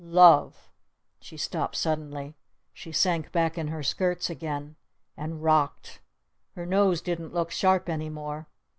Love !" She stopped suddenly. She sank back in her skirts again. And rocked! Her nose didn't look sharp any more.